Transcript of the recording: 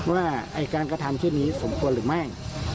ว่าการกระทำเช่นนี้สมควรหรือไม่